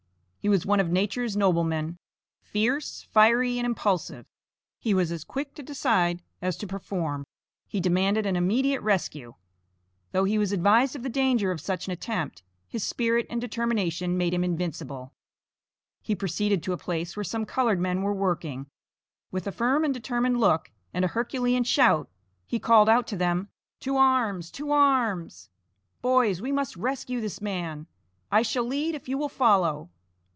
He was one of nature's noblemen. Fierce, fiery, and impulsive, he was as quick to decide as to perform. He demanded an immediate rescue. Though he was advised of the danger of such an attempt, his spirit and determination made him invincible. He proceeded to a place where some colored men were working. With a firm and determined look, and a herculean shout, he called out to them, "To arms, to arms! boys, we must rescue this man; I shall lead if you will follow."